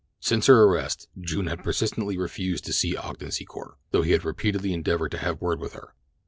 Since her arrest June had persistently refused to see Ogden Secor, though he had repeatedly endeavored to have word with her.